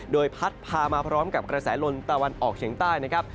โดยพัดพามาพร้อมกับกระแสลมตะวันออกเฉียงใต้นะครับ